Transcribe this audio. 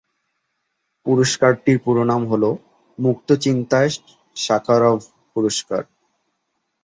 পুরস্কারটির পুরো নাম হলো "মুক্তচিন্তায় শাখারভ পুরস্কার"।